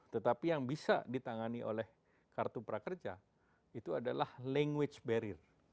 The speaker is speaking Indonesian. tetapi yang bisa ditangani oleh kartu prakerja itu adalah language barrier